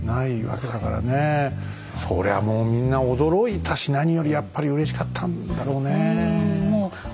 そりゃもうみんな驚いたし何よりやっぱりうれしかったんだろうねえ。